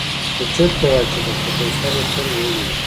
خو چورت يې وهه چې په پروفيسر يې څنګه ومني.